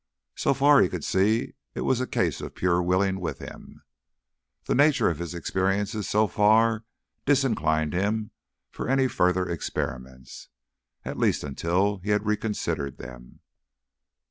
So far, he could see it was a case of pure willing with him. The nature of his experiences so far disinclined him for any further experiments, at least until he had reconsidered them.